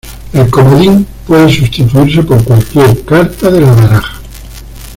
El comodín puede sustituirse por cualquier carta de la baraja.